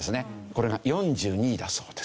これが４２位だそうですね。